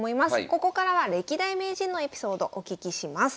ここからは歴代名人のエピソードお聞きします。